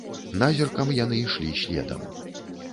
Назіркам яны ішлі следам.